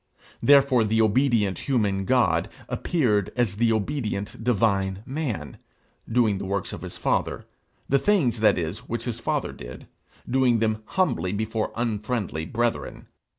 Therefore the obedient human God appeared as the obedient divine man, doing the works of his father the things, that is, which his father did doing them humbly before unfriendly brethren.